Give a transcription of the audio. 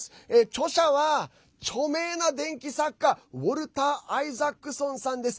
著者は著名な伝記作家ウォルター・アイザックソンさんです。